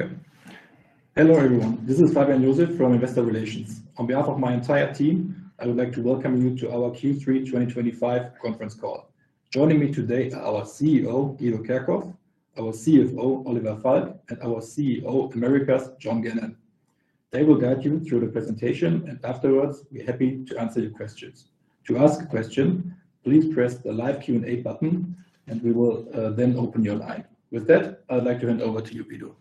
Okay. Hello everyone, this is Fabian Joseph from Investor Relations. On behalf of my entire team, I would like to welcome you to our Q3 2025 conference call. Joining me today are our CEO, Guido Kerkhoff, our CFO, Oliver Falk, and our CEO, Americas, John Ganem. They will guide you through the presentation, and afterwards we're happy to answer your questions. To ask a question, please press the live Q&A button, and we will then open your line. With that, I'd like to hand over to you, Guido.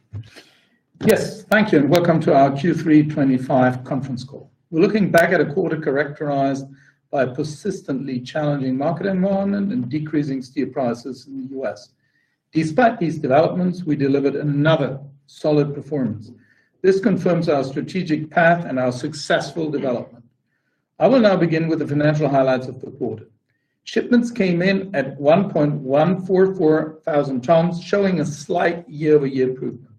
Yes, thank you, and welcome to our Q3 2025 conference call. We're looking back at a quarter characterized by a persistently challenging market environment and decreasing steel prices in the US Despite these developments, we delivered another solid performance. This confirms our strategic path and our successful development. I will now begin with the financial highlights of the quarter. Shipments came in at 1,144,000 tons, showing a slight year-over-year improvement.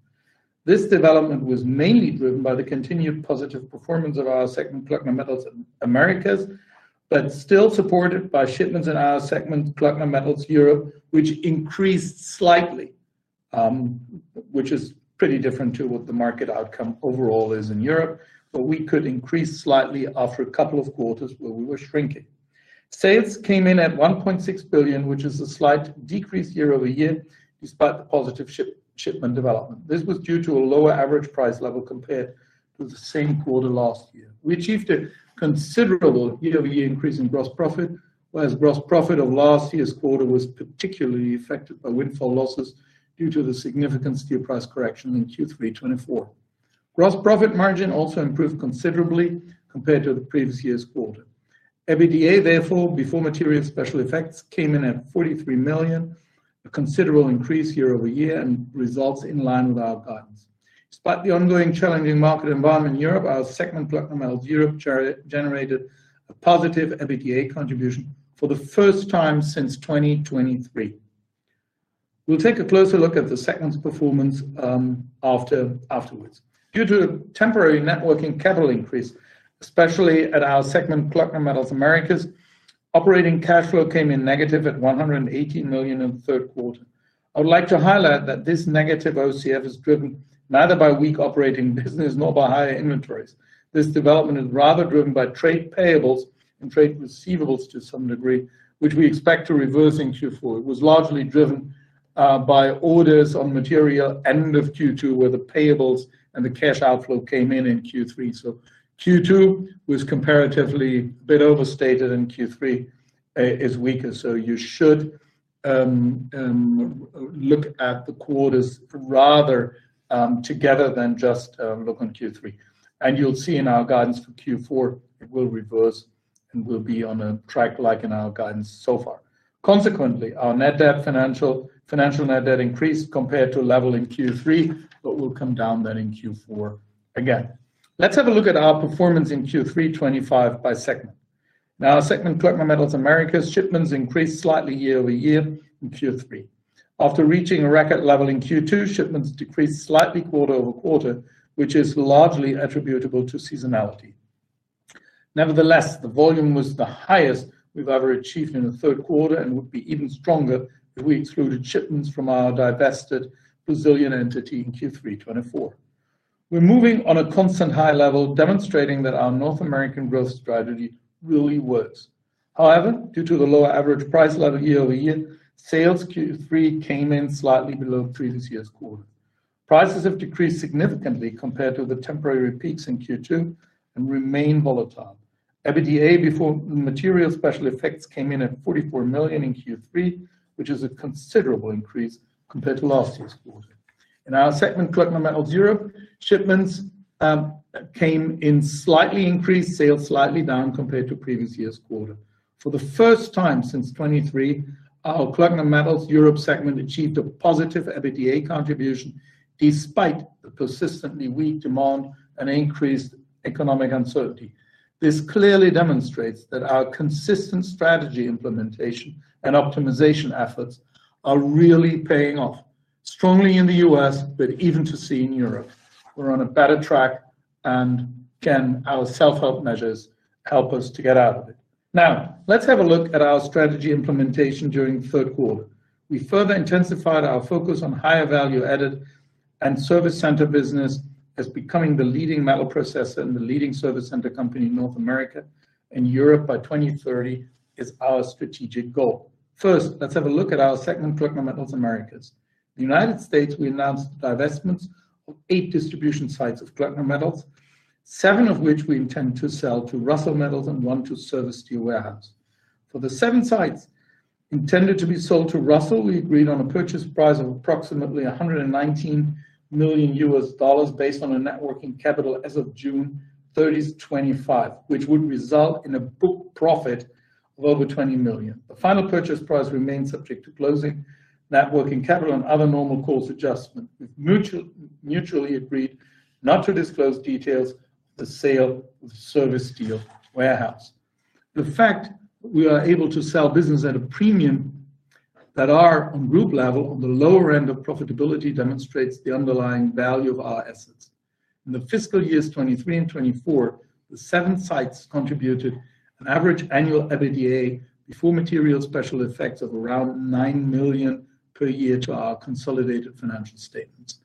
This development was mainly driven by the continued positive performance of our segment, Klöckner Americas, but still supported by shipments in our segment, Klöckner, Europe, which increased slightly. Which is pretty different to what the market outcome overall is in Europe, but we could increase slightly after a couple of quarters where we were shrinking. Sales came in at 1.6 billion, which is a slight decrease year-over-year despite the positive shipment development. This was due to a lower average price level compared to the same quarter last year. We achieved a considerable year-over-year increase in gross profit, whereas gross profit of last year's quarter was particularly affected by windfall losses due to the significant steel price correction in Q3 2024. Gross profit margin also improved considerably compared to the previous year's quarter. EBITDA, therefore, before material special effects, came in at 43 million, a considerable increase year-over-year and results in line with our guidance. Despite the ongoing challenging market environment in Europe, our segment, Klöckner, Europe, generated a positive EBITDA contribution for the first time since 2023. We'll take a closer look at the segment's performance afterwards. Due to a temporary net working capital increase, especially at our segment, Klöckner Americas, operating cash flow came in negative at 118 million in the third quarter. I would like to highlight that this negative OCF is driven neither by weak operating business nor by higher inventories. This development is rather driven by trade payables and trade receivables to some degree, which we expect to reverse in Q4. It was largely driven by orders on material end of Q2, where the payables and the cash outflow came in in Q3. Q2 was comparatively a bit overstated, and Q3 is weaker. You should look at the quarters rather together than just look on Q3. You'll see in our guidance for Q4 it will reverse and will be on a track like in our guidance so far. Consequently, our net debt, financial net debt, increased compared to level in Q3, but will come down then in Q4 again. Let's have a look at our performance in Q3 2025 by segment. In our segment, Klöckner Americas, shipments increased slightly year-over-year in Q3. After reaching a record level in Q2, shipments decreased slightly quarter-over-quarter, which is largely attributable to seasonality. Nevertheless, the volume was the highest we've ever achieved in a third quarter and would be even stronger if we excluded shipments from our divested Brazilian entity in Q3 2024. We're moving on a constant high level, demonstrating that our North American growth strategy really works. However, due to the lower average price level year-over-year, sales Q3 came in slightly below previous year's quarter. Prices have decreased significantly compared to the temporary peaks in Q2 and remain volatile. EBITDA before material special effects came in at 44 million in Q3, which is a considerable increase compared to last year's quarter. In our segment, Klöckner, Europe shipments. Came in slightly increased, sales slightly down compared to previous year's quarter. For the first time since 2023, our Klöckner, Europe segment achieved a positive EBITDA contribution despite the persistently weak demand and increased economic uncertainty. This clearly demonstrates that our consistent strategy implementation and optimization efforts are really paying off, strongly in the US, but even to see in Europe. We're on a better track, and can our self-help measures help us to get out of it? Now, let's have a look at our strategy implementation during the third quarter. We further intensified our focus on higher value added, and service center business as becoming the leading metal processor and the leading service center company in North America and Europe by 2030 is our strategic goal. First, let's have a look at our segment, Klöckner, Americas. In the US, we announced divestments of eight distribution sites of Klöckner seven of which we intend to sell to Russell Metals and one to Service Steel Warehouse. For the seven sites intended to be sold to Russel, we agreed on a purchase price of approximately $119 million based on a net working capital as of 30 June 2025, which would result in a book profit of over $20 million. The final purchase price remains subject to closing, net working capital, and other normal course adjustment, with mutually agreed not to disclose details of the sale to Service Steel Warehouse. The fact that we are able to sell business at a premium that our group level on the lower end of profitability demonstrates the underlying value of our assets. In the fiscal years 2023 and 2024, the seven sites contributed an average annual EBITDA before material special effects of around 9 million per year to our consolidated financial statements.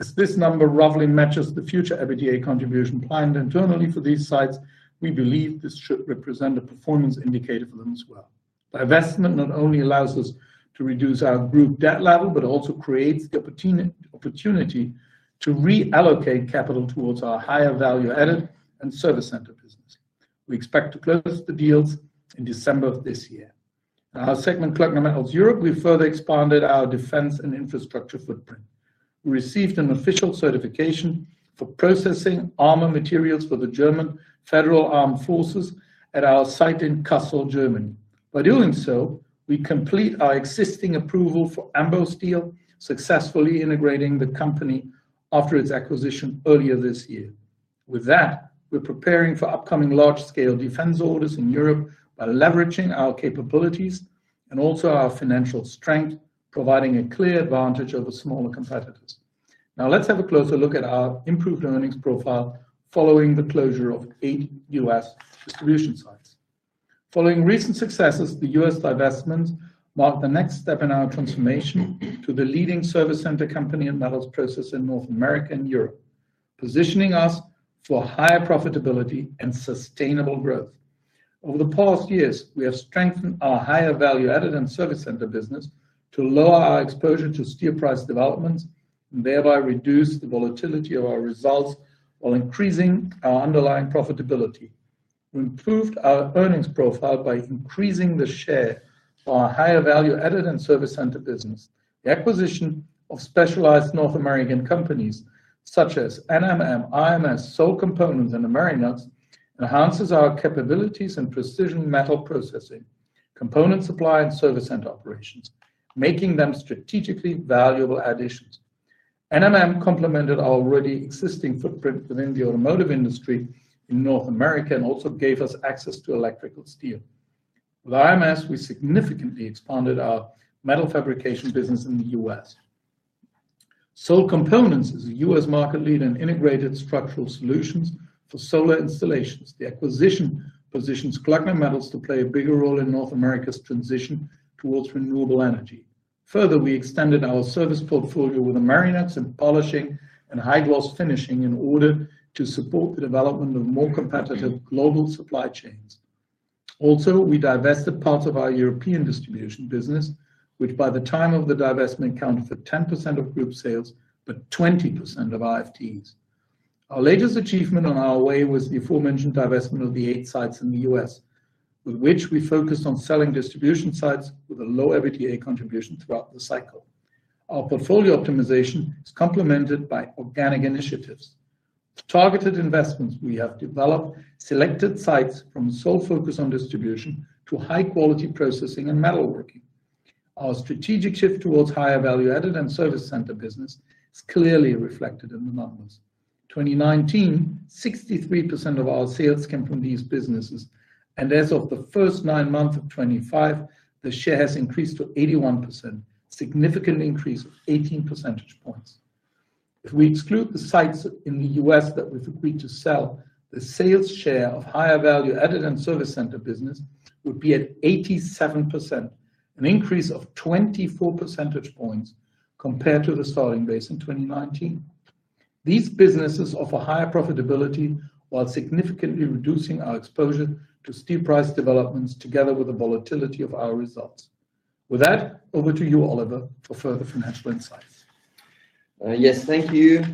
As this number roughly matches the future EBITDA contribution planned internally for these sites, we believe this should represent a performance indicator for them as well. Divestment not only allows us to reduce our group debt level, but also creates the opportunity to reallocate capital towards our higher value added and service center business. We expect to close the deals in December of this year. In our segment, Klöckner, Europe, we further expanded our defense and infrastructure footprint. We received an official certification for processing armor materials for the German Federal Armed Forces at our site in Kassel, Germany. By doing so, we complete our existing approval for Ambo Steel, successfully integrating the company after its acquisition earlier this year. With that, we're preparing for upcoming large-scale defense orders in Europe by leveraging our capabilities and also our financial strength, providing a clear advantage over smaller competitors. Now, let's have a closer look at our improved earnings profile following the closure of eight US distribution sites. Following recent successes, the US divestments mark the next step in our transformation to the leading service center company and metals processor in North America and Europe, positioning us for higher profitability and sustainable growth. Over the past years, we have strengthened our higher value added and service center business to lower our exposure to steel price developments and thereby reduce the volatility of our results while increasing our underlying profitability. We improved our earnings profile by increasing the share of our higher value added and service center business. The acquisition of specialized North American companies such as NMM, IMS, Sole Components, and Amerinuts enhances our capabilities in precision metal processing, component supply, and service center operations, making them strategically valuable additions. NMM complemented our already existing footprint within the automotive industry in North America and also gave us access to electrical steel. With IMS, we significantly expanded our metal fabrication business in the US Sole Components is a US market leader in integrated structural solutions for solar installations. The acquisition positions Klöckner play a bigger role in North America's transition towards renewable energy. Further, we extended our service portfolio with Amerinuts and polishing and high-gloss finishing in order to support the development of more competitive global supply chains. Also, we divested part of our European distribution business, which by the time of the divestment accounted for 10% of group sales, but 20% of RFIs. Our latest achievement on our way was the aforementioned divestment of the eight sites in the US, with which we focused on selling distribution sites with a low EBITDA contribution throughout the cycle. Our portfolio optimization is complemented by organic initiatives. With targeted investments, we have developed selected sites from a sole focus on distribution to high-quality processing and metalworking. Our strategic shift towards higher value added and service center business is clearly reflected in the numbers. In 2019, 63% of our sales came from these businesses, and as of the first nine months of 2025, the share has increased to 81%, a significant increase of 18 percentage points. If we exclude the sites in the US that we've agreed to sell, the sales share of higher value added and service center business would be at 87%, an increase of 24 percentage points compared to the starting base in 2019. These businesses offer higher profitability while significantly reducing our exposure to steel price developments together with the volatility of our results. With that, over to you, Oliver, for further financial insights. Yes, thank you.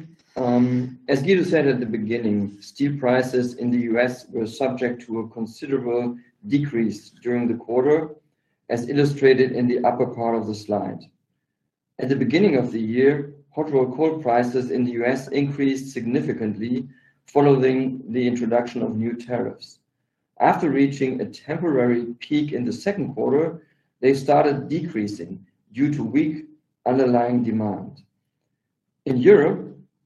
As Guido said at the beginning, steel prices in the US were subject to a considerable decrease during the quarter, as illustrated in the upper part of the slide. At the beginning of the year, hot rolled coil prices in the US increased significantly following the introduction of new tariffs. After reaching a temporary peak in the second quarter, they started decreasing due to weak underlying demand. In Europe,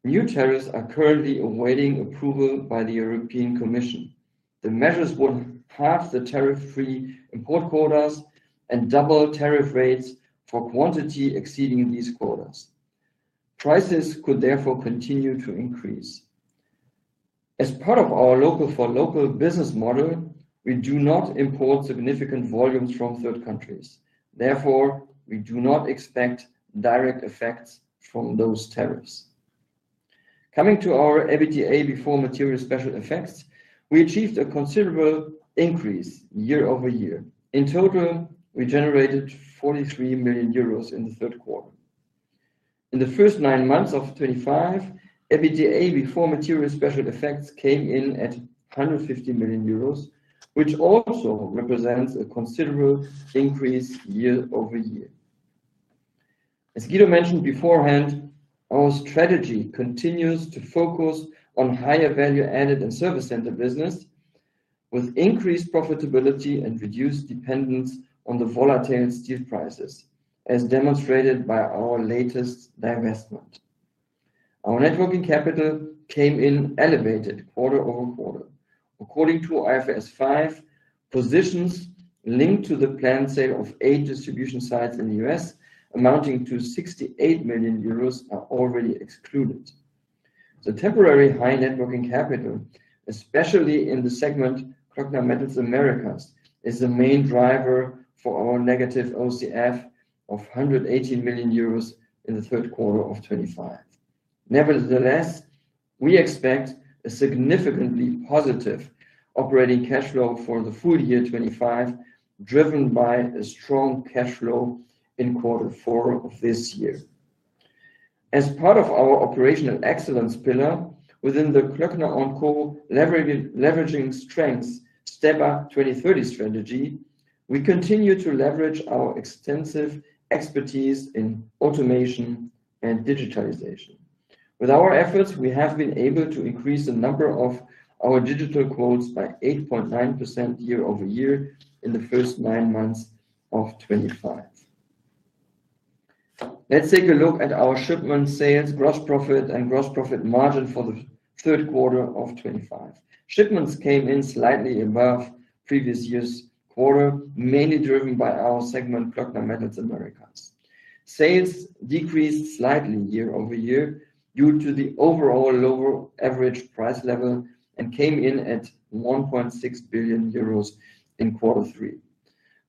new tariffs are currently awaiting approval by the European Commission. The measures would halve the tariff-free import quotas and double tariff rates for quantity exceeding these quotas. Prices could therefore continue to increase. As part of our local for local business model, we do not import significant volumes from third countries. Therefore, we do not expect direct effects from those tariffs. Coming to our EBITDA before material special effects, we achieved a considerable increase year-over-year. In total, we generated 43 million euros in the third quarter. In the first nine months of 2025, EBITDA before material special effects came in at 150 million euros, which also represents a considerable increase year-over-year. As Guido mentioned beforehand, our strategy continues to focus on higher value added and service center business. With increased profitability and reduced dependence on the volatile steel prices, as demonstrated by our latest divestment. Our net working capital came in elevated quarter-over quarter. According to MSCI, positions linked to the planned sale of eight distribution sites in the US, amounting to 68 million euros, are already excluded. The temporary high net working capital, especially in the segment, Klöckner Americas, is the main driver for our negative operating cash flow of 118 million euros in the third quarter of 2025. Nevertheless, we expect a significantly positive operating cash flow for the full year 2025, driven by a strong cash flow in quarter four of this year. As part of our operational excellence pillar within the Klöckner & Co Leveraging Strengths STEBA 2030 strategy, we continue to leverage our extensive expertise in automation and digitalization. With our efforts, we have been able to increase the number of our digital quotes by 8.9% year-over-year in the first nine months of 2025. Let's take a look at our shipment sales, gross profit, and gross profit margin for the third quarter of 2025. Shipments came in slightly above previous year's quarter, mainly driven by our segment, Klöckner Americas. Sales decreased slightly year-over-year due to the overall lower average price level and came in at 1.6 billion euros in quarter three.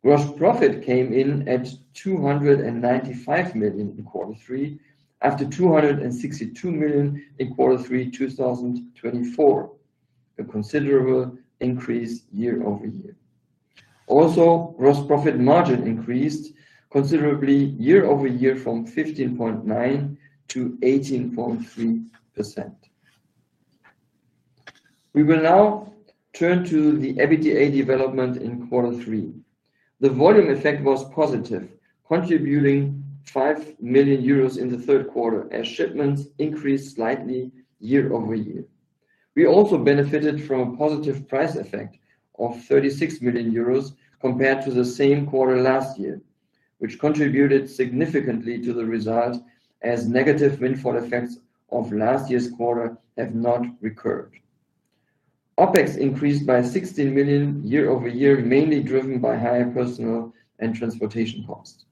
Gross profit came in at 295 million in quarter three after 262 million in quarter three 2024. A considerable increase year-over-year. Also, gross profit margin increased considerably year-over-year from 15.9%-8.3. We will now turn to the EBITDA development in quarter three. The volume effect was positive, contributing 5 million euros in the third quarter as shipments increased slightly year-over-year. We also benefited from a positive price effect of 36 million euros compared to the same quarter last year, which contributed significantly to the result as negative windfall effects of last year's quarter have not recurred. OpEx increased by 16 million year-over-year, mainly driven by higher personnel and transportation costs.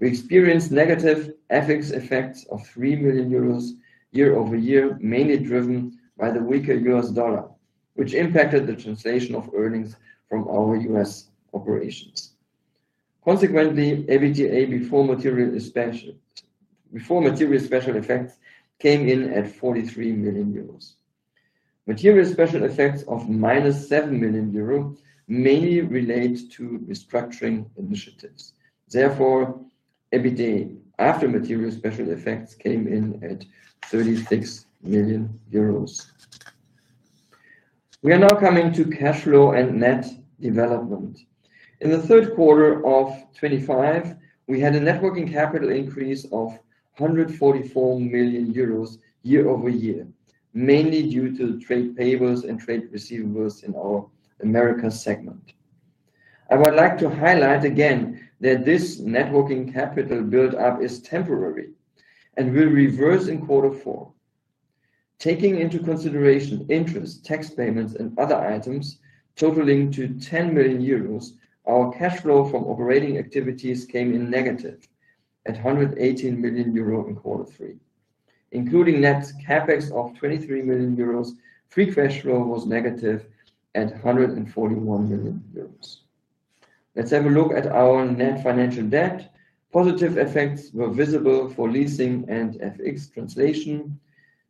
We experienced negative FX effects of 3 million euros year-over-year, mainly driven by the weaker US dollar, which impacted the translation of earnings from our US operations. Consequently, EBITDA before material special effects came in at 43 million euros. Material special effects of minus 7 million euros mainly relate to restructuring initiatives. Therefore, EBITDA after material special effects came in at 36 million euros. We are now coming to cash flow and net development. In the third quarter of 2025, we had a net working capital increase of 144 million euros year-over-year, mainly due to trade payables and trade receivables in our Americas segment. I would like to highlight again that this net working capital build-up is temporary and will reverse in quarter four. Taking into consideration interest, tax payments, and other items totaling to 10 million euros, our cash flow from operating activities came in negative at 118 million euro in quarter three. Including net capex of 23 million euros, free cash flow was negative at 141 million euros. Let's have a look at our net financial debt. Positive effects were visible for leasing and FX translation.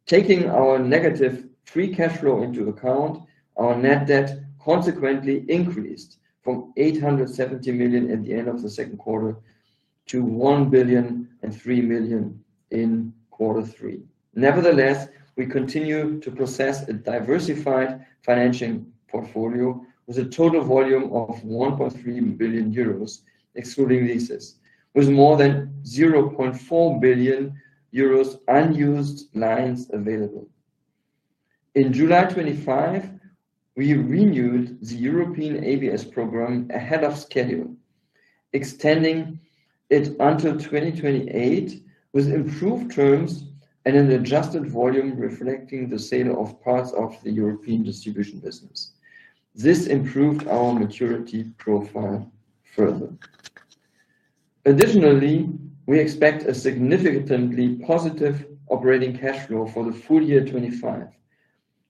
Taking our negative free cash flow into account, our net debt consequently increased from 870 million at the end of the second quarter to 1 billion and 3 million in quarter three. Nevertheless, we continue to possess a diversified financing portfolio with a total volume of 1.3 billion euros, excluding leases, with more than 0.4 billion euros unused lines available. In July 2025, we renewed the European ABS program ahead of schedule, extending it until 2028 with improved terms and an adjusted volume reflecting the sale of parts of the European distribution business. This improved our maturity profile further. Additionally, we expect a significantly positive operating cash flow for the full year 2025,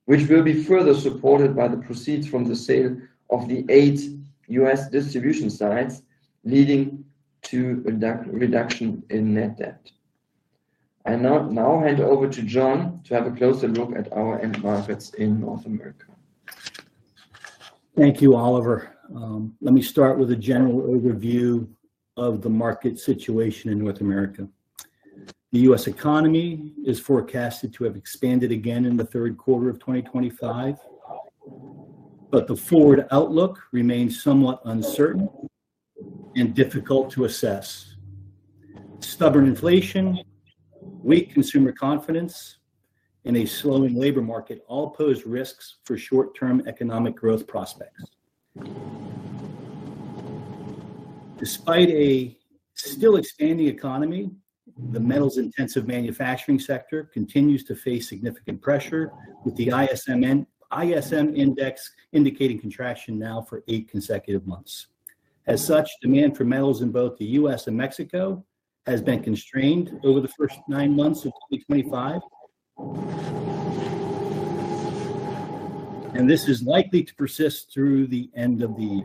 which will be further supported by the proceeds from the sale of the eight US distribution sites, leading to a reduction in net debt. I now hand over to John to have a closer look at our end markets in North America. Thank you, Oliver. Let me start with a general overview of the market situation in North America. The US economy is forecasted to have expanded again in the third quarter of 2025. The forward outlook remains somewhat uncertain and difficult to assess. Stubborn inflation, weak consumer confidence, and a slowing labor market all pose risks for short-term economic growth prospects. Despite a still expanding economy, the metals-intensive manufacturing sector continues to face significant pressure, with the ISM Index indicating contraction now for eight consecutive months. As such, demand for metals in both the US and Mexico has been constrained over the first nine months of 2025, and this is likely to persist through the end of the year.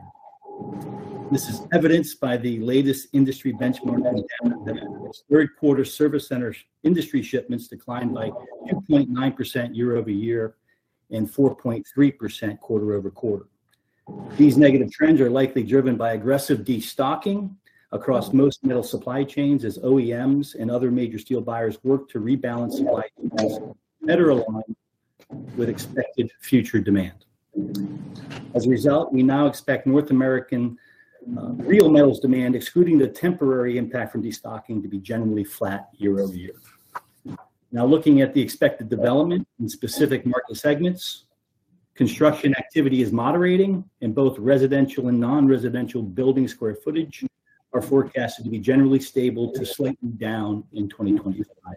This is evidenced by the latest industry benchmarking data that the third quarter service center industry shipments declined by 2.9% year-over-year and 4.3% quarter-over-quarter. These negative trends are likely driven by aggressive destocking across most metal supply chains as OEMs and other major steel buyers work to rebalance supply chains better aligned with expected future demand. As a result, we now expect North American real metals demand, excluding the temporary impact from destocking, to be generally flat year-over-year. Now, looking at the expected development in specific market segments, construction activity is moderating, and both residential and non-residential building square footage are forecasted to be generally stable to slightly down in 2025.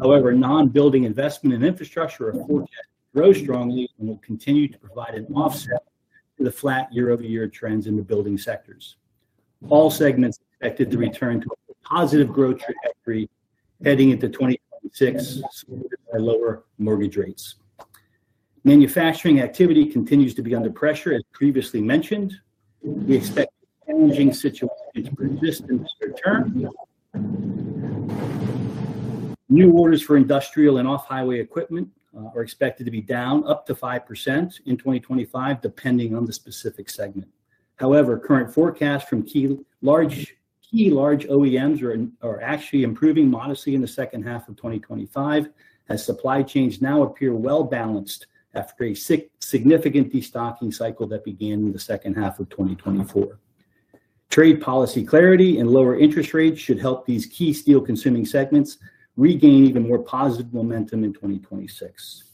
However, non-building investment and infrastructure are forecast to grow strongly and will continue to provide an offset to the flat year-over-year trends in the building sectors. All segments are expected to return to a positive growth trajectory heading into 2026 supported by lower mortgage rates. Manufacturing activity continues to be under pressure, as previously mentioned. We expect the challenging situation to persist in the short term. New orders for industrial and off-highway equipment are expected to be down up to 5% in 2025, depending on the specific segment. However, current forecasts from key large OEMs are actually improving modestly in the second half of 2025, as supply chains now appear well-balanced after a significant destocking cycle that began in the second half of 2024. Trade policy clarity and lower interest rates should help these key steel-consuming segments regain even more positive momentum in 2026.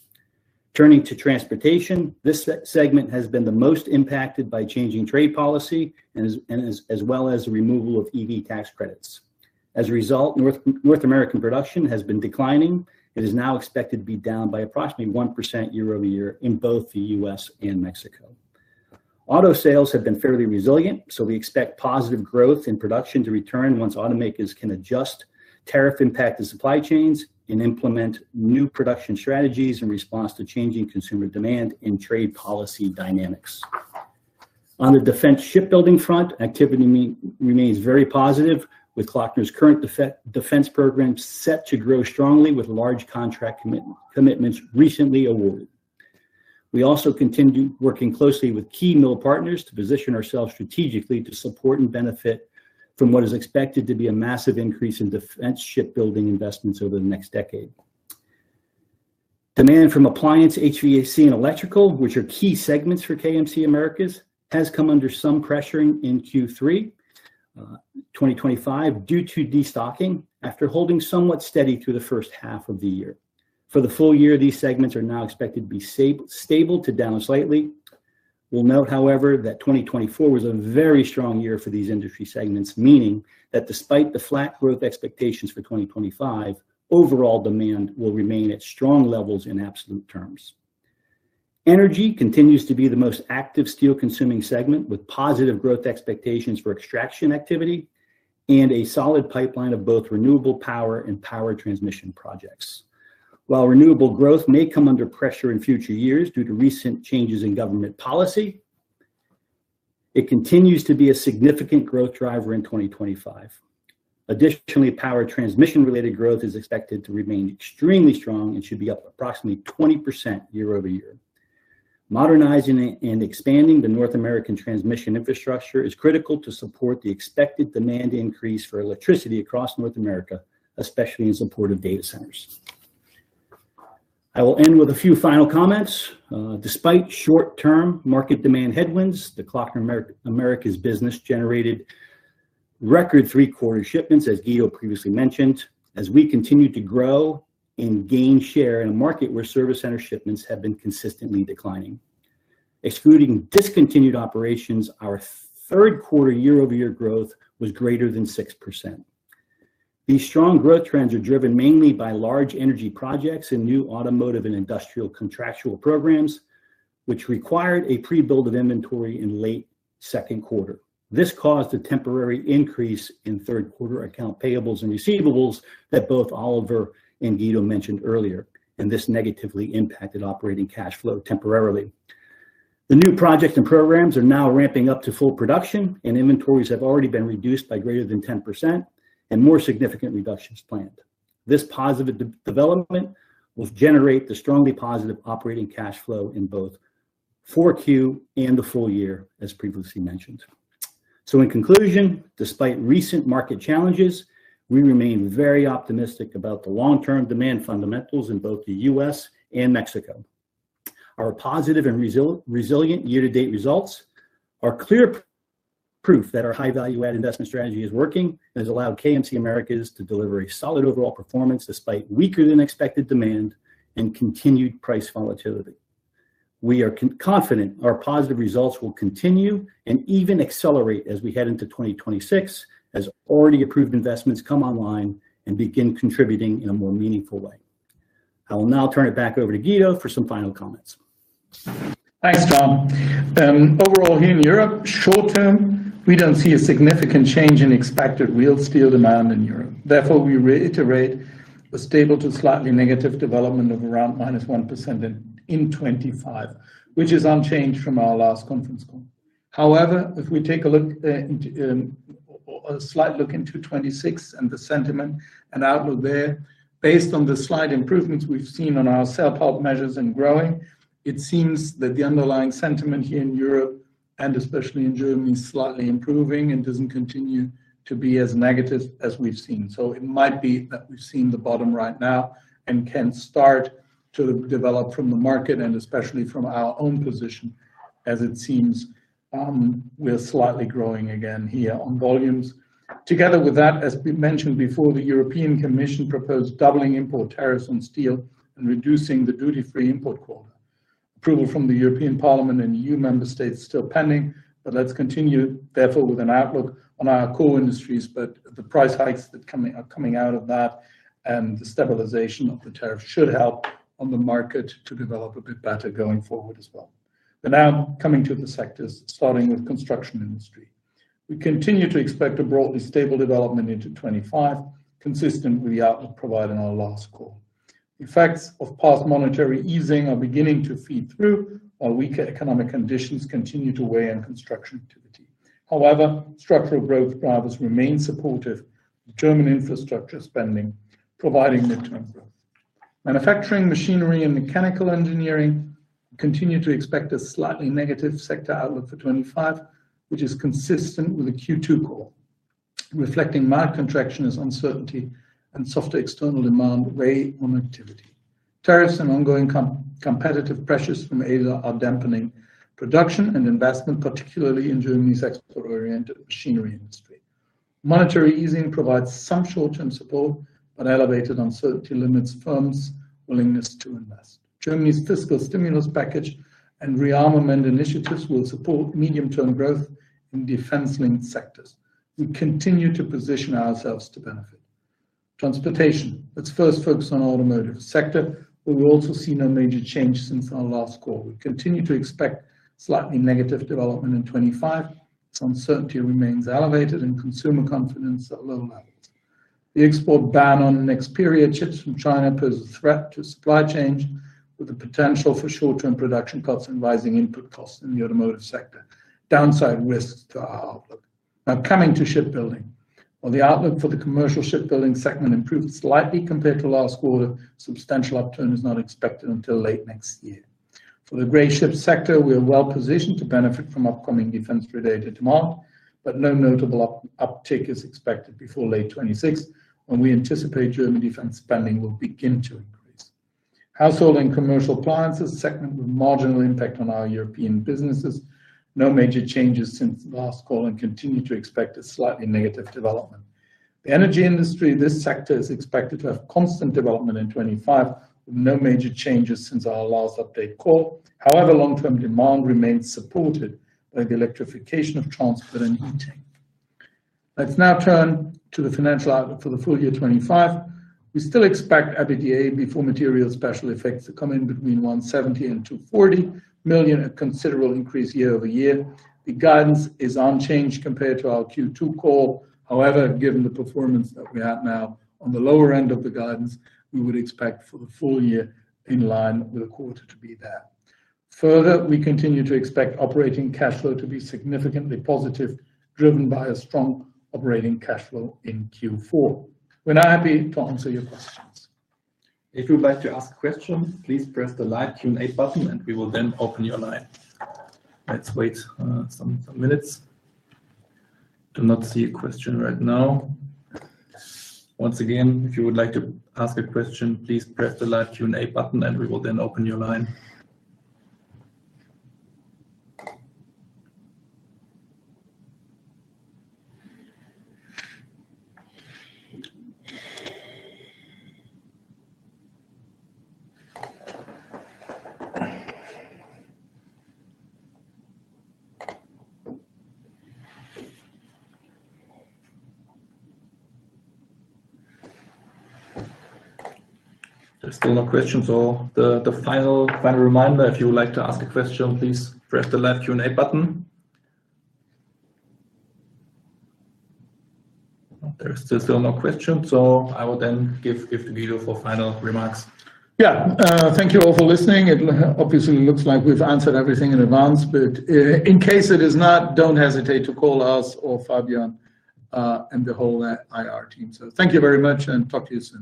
Turning to transportation, this segment has been the most impacted by changing trade policy as well as the removal of EV tax credits. As a result, North American production has been declining. It is now expected to be down by approximately 1% year-over-year in both the US and Mexico. Auto sales have been fairly resilient, so we expect positive growth in production to return once automakers can adjust tariff impact to supply chains and implement new production strategies in response to changing consumer demand and trade policy dynamics. On the defense shipbuilding front, activity remains very positive, with Klöckner current defense program set to grow strongly with large contract commitments recently awarded. We also continue working closely with key mill partners to position ourselves strategically to support and benefit from what is expected to be a massive increase in defense shipbuilding investments over the next decade. Demand from appliance, HVAC, and electrical, which are key segments for KMC Americas, has come under some pressure in Q3 2025 due to destocking after holding somewhat steady through the first half of the year. For the full year, these segments are now expected to be stable to down slightly. We'll note, however, that 2024 was a very strong year for these industry segments, meaning that despite the flat growth expectations for 2025, overall demand will remain at strong levels in absolute terms. Energy continues to be the most active steel-consuming segment, with positive growth expectations for extraction activity and a solid pipeline of both renewable power and power transmission projects. While renewable growth may come under pressure in future years due to recent changes in government policy, it continues to be a significant growth driver in 2025. Additionally, power transmission-related growth is expected to remain extremely strong and should be up approximately 20% year-over-year. Modernizing and expanding the North American transmission infrastructure is critical to support the expected demand increase for electricity across North America, especially in support of data centers. I will end with a few final comments. Despite short-term market demand headwinds, the Klöckner business generated record three-quarter shipments, as Guido previously mentioned, as we continue to grow and gain share in a market where service center shipments have been consistently declining. Excluding discontinued operations, our third-quarter year-over-year growth was greater than 6%. These strong growth trends are driven mainly by large energy projects and new automotive and industrial contractual programs, which required a pre-build of inventory in late second quarter. This caused a temporary increase in third-quarter account payables and receivables that both Oliver and Guido mentioned earlier, and this negatively impacted operating cash flow temporarily. The new projects and programs are now ramping up to full production, and inventories have already been reduced by greater than 10%, and more significant reductions planned. This positive development will generate the strongly positive operating cash flow in both. For Q4 and the full year, as previously mentioned. In conclusion, despite recent market challenges, we remain very optimistic about the long-term demand fundamentals in both the US and Mexico. Our positive and resilient year-to-date results are clear proof that our high-value-add investment strategy is working and has allowed KMC Americas to deliver a solid overall performance despite weaker-than-expected demand and continued price volatility. We are confident our positive results will continue and even accelerate as we head into 2026, as already approved investments come online and begin contributing in a more meaningful way. I will now turn it back over to Guido for some final comments. Thanks, John. Overall, here in Europe, short-term, we do not see a significant change in expected real steel demand in Europe. Therefore, we reiterate a stable to slightly negative development of around -1% in 2025, which is unchanged from our last conference call. However, if we take a look, a slight look into 2026 and the sentiment and outlook there, based on the slight improvements we have seen on our self-help measures and growing, it seems that the underlying sentiment here in Europe, and especially in Germany, is slightly improving and does not continue to be as negative as we have seen. It might be that we have seen the bottom right now and can start to develop from the market and especially from our own position, as it seems. We are slightly growing again here on volumes. Together with that, as we mentioned before, the European Commission proposed doubling import tariffs on steel and reducing the duty-free import quota. Approval from the European Parliament and EU member states is still pending. Let's continue, therefore, with an outlook on our core industries. The price hikes that are coming out of that and the stabilization of the tariffs should help the market to develop a bit better going forward as well. Now, coming to the sectors, starting with the construction industry, we continue to expect a broadly stable development into 2025, consistent with the outlook provided in our last call. Effects of past monetary easing are beginning to feed through while weaker economic conditions continue to weigh on construction activity. However, structural growth drivers remain supportive of German infrastructure spending, providing midterm growth. Manufacturing, machinery, and mechanical engineering continue to expect a slightly negative sector outlook for 2025, which is consistent with the Q2 call, reflecting mild contraction as uncertainty and softer external demand weigh on activity. Tariffs and ongoing competitive pressures from Asia are dampening production and investment, particularly in Germany's export-oriented machinery industry. Monetary easing provides some short-term support, but elevated uncertainty limits firms' willingness to invest. Germany's fiscal stimulus package and rearmament initiatives will support medium-term growth in defense-linked sectors. We continue to position ourselves to benefit. Transportation, let's first focus on the automotive sector, where we also see no major change since our last call. We continue to expect slightly negative development in 2025. Uncertainty remains elevated and consumer confidence at low levels. The export ban on the next period, chips from China, poses a threat to supply chains, with the potential for short-term production cuts and rising input costs in the automotive sector, downside risks to our outlook. Now, coming to shipbuilding, while the outlook for the commercial shipbuilding segment improved slightly compared to last quarter, substantial upturn is not expected until late next year. For the gray ship sector, we are well positioned to benefit from upcoming defense-related demand, but no notable uptick is expected before late 2026, when we anticipate German defense spending will begin to increase. Household and commercial appliances segment with marginal impact on our European businesses. No major changes since the last call and continue to expect a slightly negative development. The energy industry, this sector is expected to have constant development in 2025, with no major changes since our last update call. However, long-term demand remains supported by the electrification of transport and heating. Let's now turn to the financial outlook for the full year 2025. We still expect EBITDA before materials special effects to come in between 170 million and 240 million, a considerable increase year-over-year. The guidance is unchanged compared to our Q2 call. However, given the performance that we have now on the lower end of the guidance, we would expect for the full year in line with the quarter to be there. Further, we continue to expect operating cash flow to be significantly positive, driven by a strong operating cash flow in Q4. We're now happy to answer your questions. If you would like to ask a question, please press the live Q&A button, and we will then open your line. Let's wait some minutes. I do not see a question right now. Once again, if you would like to ask a question, please press the live Q&A button, and we will then open your line. There are still no questions. The final reminder, if you would like to ask a question, please press the live Q&A button. There are still no questions, so I will then give Guido for final remarks. Yeah, thank you all for listening. It obviously looks like we've answered everything in advance, but in case it is not, do not hesitate to call us or Fabian and the whole IR team. Thank you very much, and talk to you soon.